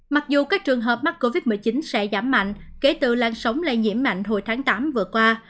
mặc dù các trường hợp mắc covid một mươi chín sẽ giảm mạnh kể từ làn sóng lây nhiễm mạnh hồi tháng tám vừa qua